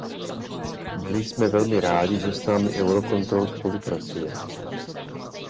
Byli jsme velmi rádi, že s námi Eurocontrol spolupracuje.